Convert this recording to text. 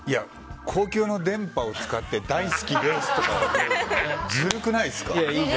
公共の電波を使って大好きです！とかずるくないですか。